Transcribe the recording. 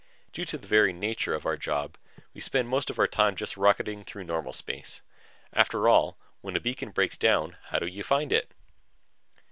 Due to the very nature of our job, we spend most of our time just rocketing through normal space. After all, when a beacon breaks down, how do you find it?